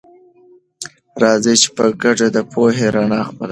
راځئ چې په ګډه د پوهې رڼا خپله کړه.